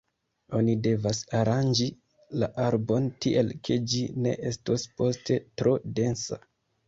Oni devas aranĝi la arbon tiel, ke ĝi ne estos poste tro densa.